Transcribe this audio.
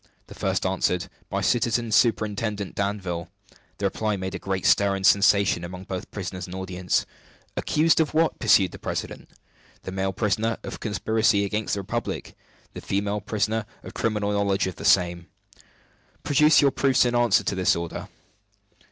The first answered "By Citizen Superintendent Danville." The reply made a great stir and sensation among both prisoners and audience. "Accused of what?" pursued the president. "The male prisoner, of conspiracy against the Republic; the female prisoner, of criminal knowledge of the same." "Produce your proofs in answer to this order."